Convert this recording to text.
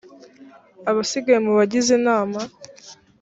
abasigaye mu bagize inama